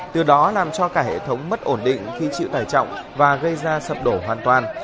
từ đó làm cho cả hệ thống mất ổn định khi chịu tải trọng và gây ra sập đổ hoàn toàn